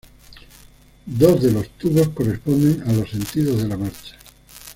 Dos de los tubos corresponden a los sentidos de la marcha.